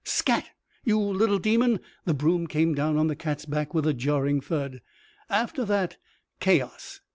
"Scat! You little demon!" The broom came down on the cat's back with a jarring thud. After that, chaos.